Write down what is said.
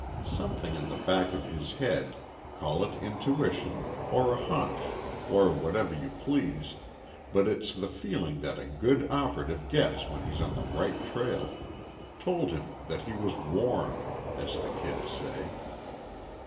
Something in the back of his head call it intuition or a hunch or whatever you please, but it's the feeling that a good operative gets when he's on the right trail told him that he was "warm," as the kids say.